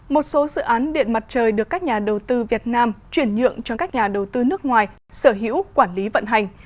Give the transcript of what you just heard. một số dự án điện mặt trời được các nhà đầu tư việt nam chuyển nhượng cho các nhà đầu tư nước ngoài sở hữu quản lý vận hành